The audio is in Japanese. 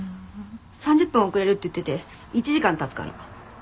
３０分遅れるって言ってて１時間経つから。